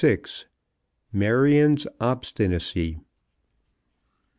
MARION'S OBSTINACY.